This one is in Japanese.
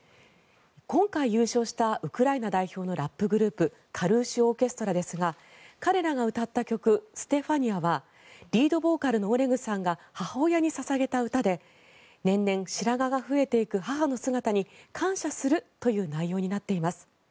今回優勝したウクライナ代表のラップグループカルーシュ・オーケストラですが彼らが歌った曲「ステファニア」はリードボーカルのオレグさんが母親に捧げた歌で年々白髪が増えていく母の姿に感謝するという内容になっています。